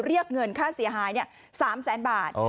เรียกเงินค่าเสียหายเนี่ย๓๐๐๐๐๐บาท